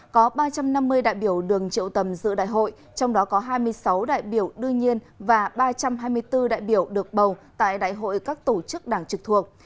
có ba trăm năm mươi đại biểu đường triệu tầm dự đại hội trong đó có hai mươi sáu đại biểu đương nhiên và ba trăm hai mươi bốn đại biểu được bầu tại đại hội các tổ chức đảng trực thuộc